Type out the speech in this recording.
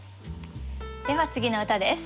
では次の歌です。